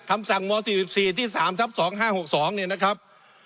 คำสั่งม๔๔ที่๓ทับ๒๕๖๒เนี่ยนะครับ